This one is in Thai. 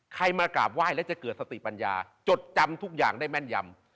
มากราบไหว้แล้วจะเกิดสติปัญญาจดจำทุกอย่างได้แม่นยำ